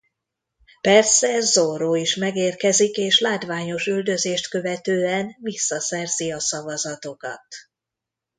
Persze Zorro is megérkezik és látványos üldözést követően visszaszerzi a szavazatokat.